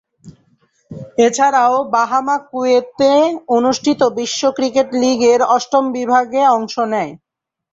এছারাও বাহামা কুয়েতে অনুষ্ঠিত বিশ্ব ক্রিকেট লীগ-এর অষ্টম বিভাগ-এ অংশ নেয়।